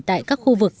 tại các khu vực